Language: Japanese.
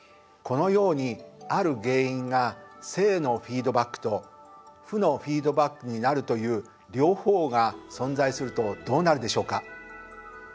このようにある原因が正のフィードバックと負のフィードバックになるという両方が存在するとどうなるでしょうか？